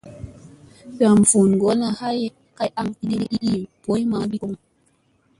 Dam vun ŋgolla aya kay a viɗim ii boy mamma ki komɓa.